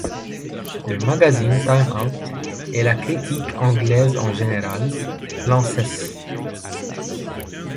Le magazine Time out, et la critique anglaise en général, l'encensent.